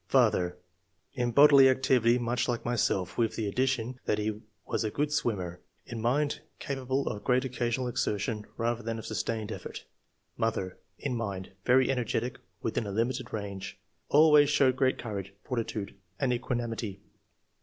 Father — In bodily activity much like my self, with the addition that he was a good II.] QUALITIES, 85 swimmer. In miiid — Capable of great occasional exertion rather than of sustained effort. Mother — In mindy very energetic within a limited range. Always showed great courage, fortitude, and equanimity.